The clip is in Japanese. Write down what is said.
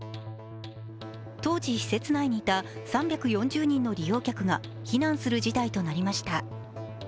当時、施設内にいた３４０人の利用客が避難する事態となりました。